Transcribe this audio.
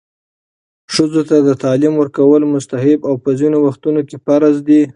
ښځو ته تعلیم ورکول مستحب او په ځینو وختونو کې فرض دی.